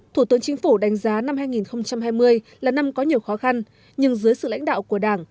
thủ tướng chính phủ đánh giá năm hai nghìn hai mươi là năm có nhiều khó khăn nhưng dưới sự lãnh đạo của đảng